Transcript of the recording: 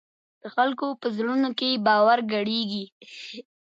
د خلکو په زړونو کې باور ګډېږي.